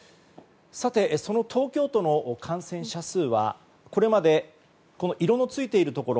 その東京都の感染者数はこれまで色のついているところ